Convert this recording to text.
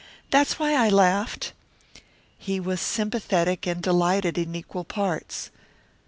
That was why I laughed." He was sympathetic and delighted in equal parts.